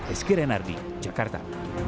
eskire nardi jakarta